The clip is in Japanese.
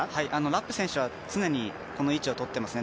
ラップ選手は常にこの位置を取っていますね